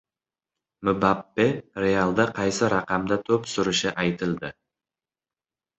Mbappe "Real"da qaysi raqamda to‘p surishi aytildi